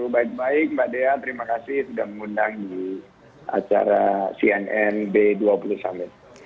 baik baik mbak dea terima kasih sudah mengundang di acara cnn b dua puluh summit